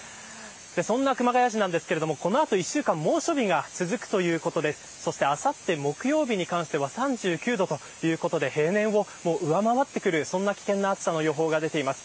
そんな熊谷市なんですがこの後１週間猛暑日が続くということでそして、あさって木曜日に関しては３９度ということで平年を上回ってくる危険な暑さの予報が出ています。